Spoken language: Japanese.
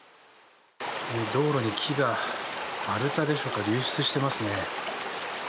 道路に木が丸太でしょうか流出していますね。